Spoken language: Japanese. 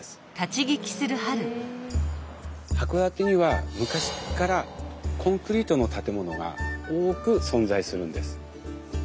函館には昔っからコンクリートの建物が多く存在するんです。